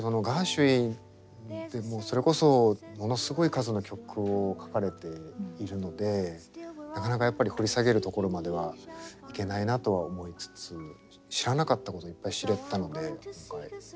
ガーシュウィンってもうそれこそものすごい数の曲を書かれているのでなかなかやっぱり掘り下げるところまではいけないなとは思いつつ知らなかったこといっぱい知れたので今回。